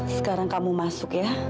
sekarang kamu masuk ya